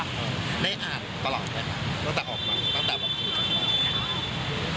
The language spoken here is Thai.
ได้อ่านตลอดใช่ป่ะตั้งแต่ออกมาตั้งแต่บอก